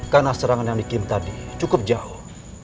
karena serangan yang dikirim tadi cukup jauh